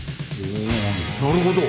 なるほど。